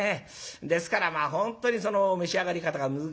ですからまあ本当にその召し上がり方が難しい。